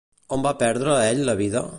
On va perdre ell la vida?